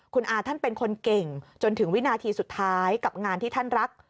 คุณอาท่านเป็นคนเก่งจนถึงวินาทีสุดท้ายกับงานที่ท่านรัก